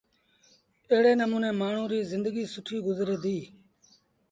ايڙي نموٚني مآڻهوٚٚݩ ريٚ زندگيٚ سُٺيٚ گزري ديٚ۔